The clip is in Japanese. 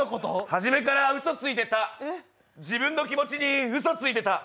初めからうそついてた自分の気持ちにうそついてた。